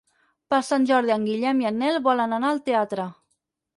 Per Sant Jordi en Guillem i en Nel volen anar al teatre.